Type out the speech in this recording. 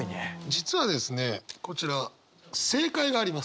実はですねこちら正解があります。